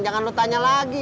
jangan lu tanya lagi